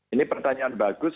ini pertanyaan bagus